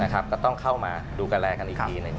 ก็ต้องเข้ามาดูกันแลกันอีกที